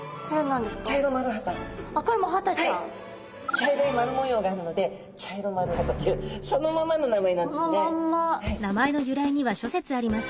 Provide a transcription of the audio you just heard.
茶色い丸模様があるのでチャイロマルハタというそのままの名前なんですね。